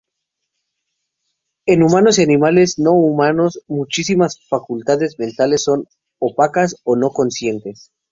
En humanos y animales no humanos muchísimas facultades mentales son opacas o no-conscientes.